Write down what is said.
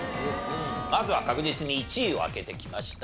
まずは確実に１位を開けてきました。